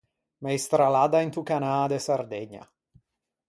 Meistraladda into Canâ de Sardegna.